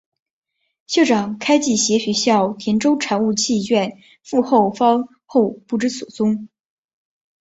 校长开济携学校田洲产物契券赴后方后不知所踪。